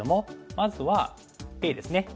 まずはＡですね。